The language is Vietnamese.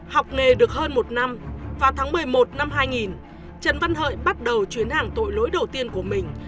học nghề được hơn một năm vào tháng một mươi một năm hai nghìn trần văn hợi bắt đầu chuyến hàng tội lỗi đầu tiên của mình